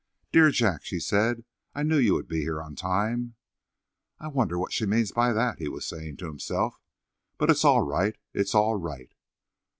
"Dear Jack," she said, "I knew you would be here on time." "I wonder what she means by that," he was saying to himself; "but it's all right, it's all right."